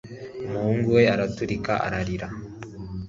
umuhungu we araturika ararira